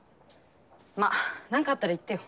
まあなんかあったら言ってよ。